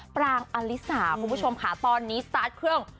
ปรางอลิสาคุณผู้ชมค่ะตอนนี้สตาร์ทเครื่อง